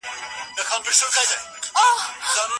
هغوي وویل چې د ځوان پاتې کیدو لپاره خواړه مهم دي.